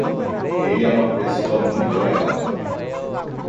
Ele é uma pessoa muito legal.